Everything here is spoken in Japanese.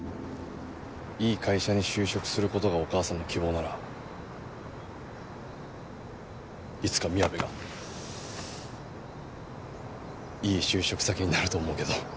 いい会社に就職する事がお母さんの希望ならいつかみやべがいい就職先になると思うけど。